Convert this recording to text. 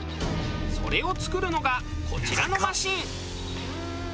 それを作るのがこちらのマシン。